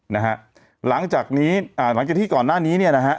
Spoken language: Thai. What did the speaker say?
นะฮะหลังจากนี้อ่าหลังจากที่ก่อนหน้านี้เนี่ยนะฮะ